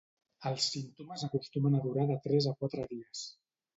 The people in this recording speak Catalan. Els símptomes acostumen a durar de tres a quatre dies.